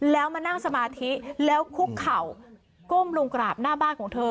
แล้วมานั่งสมาธิแล้วคุกเข่าก้มลงกราบหน้าบ้านของเธอ